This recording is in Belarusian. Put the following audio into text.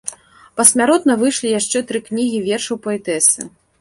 Пасмяротна выйшлі яшчэ тры кнігі вершаў паэтэсы.